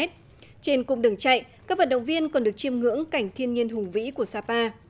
trên cùng đường chạy các vận động viên còn được chiêm ngưỡng cảnh thiên nhiên hùng vĩ của sapa